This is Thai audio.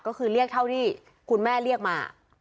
ก็คือเรียกเท่าที่คุณแม่เรียกมา